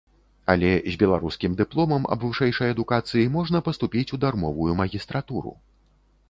Але з беларускім дыпломам аб вышэйшай адукацыі можна паступіць у дармовую магістратуру.